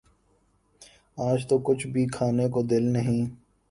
آج تو کچھ بھی کھانے کو دل نہیں